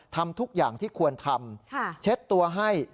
ทำทุกอย่างที่ควรทำเช็ดตัวให้